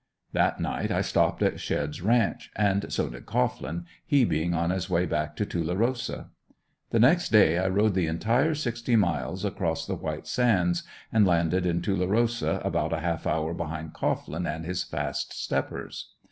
That night I stopped at Shedd's ranch; and so did Cohglin, he being on his way back to Tulerosa. The next day I rode the entire sixty miles, across the "white sands," and landed in Tulerosa about a half hour behind Cohglin and his fast steppers.